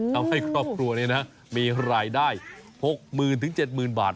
ทำให้ครอบครัวนี้นะมีรายได้๖๐๐๐๗๐๐บาท